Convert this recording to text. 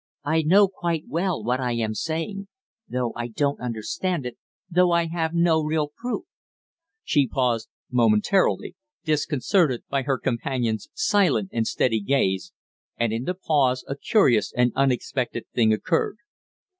"I know quite well what I am saying though I don't understand it, though I have no real proof " She paused, momentarily disconcerted by her companion's silent and steady gaze, and in the pause a curious and unexpected thing occurred.